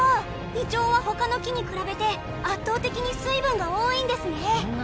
イチョウは他の木に比べて圧倒的に水分が多いんですね。